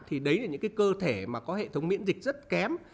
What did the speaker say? thì đấy là những cái cơ thể mà có hệ thống miễn dịch rất kém